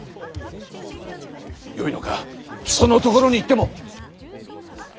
よいのか木曽のところに行っても。